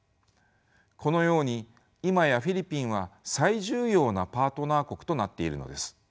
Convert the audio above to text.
このように今やフィリピンは最重要なパートナー国となっているのです。